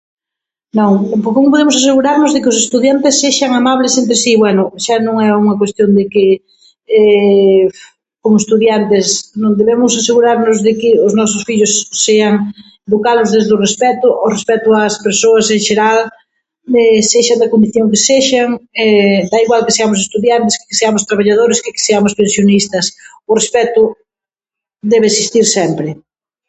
Non, como podemos asegurarnos de que os estudiantes sexan amables entre si? Bueno, xa no é unha cuestión de que un estudiantes non, debemos asegurarnos que os nosos fillos sean, educalos desde o respecto, o respecto as persoas en xeral, sexan da condición que sexan, da igual que seamos estudiantes, que que seamos traballadores, que que seamos pensionistas, o respecto debe existir sempre.